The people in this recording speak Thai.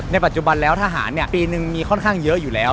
ปัจจุบันแล้วทหารปีนึงมีค่อนข้างเยอะอยู่แล้ว